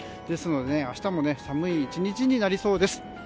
ですので明日も寒い１日になりそうです。